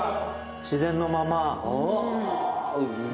自然のまま。